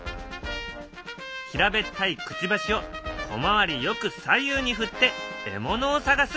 平べったいくちばしを小回りよく左右に振って獲物を探す。